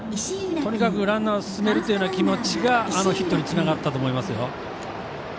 とにかくランナーを進めるという気持ちがあのヒットにつながったと思いますよ。